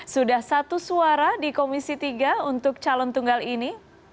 sudah satu suara di komisi tiga untuk calon tunggal ini